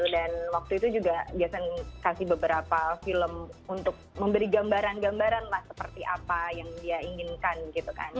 dan waktu itu juga jason kasih beberapa film untuk memberi gambaran gambaran lah seperti apa yang dia inginkan gitu kan